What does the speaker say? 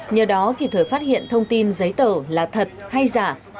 nhờ đó kịp thời phát hiện thông tin giấy tờ là thật hay giả